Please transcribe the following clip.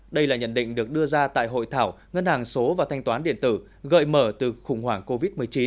đây là nhận định được đưa ra tại hội thảo ngân hàng số và thanh toán điện tử gợi mở từ khủng hoảng covid một mươi chín